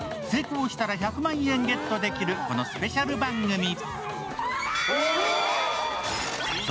成功したら１００万円ゲットできるこのスペシャル番組。